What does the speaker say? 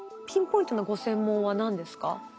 ピンポイントのご専門は何ですか？